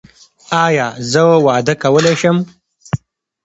ایا زه واده کولی شم؟